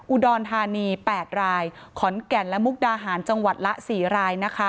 อุดรธานี๘รายขอนแก่นและมุกดาหารจังหวัดละ๔รายนะคะ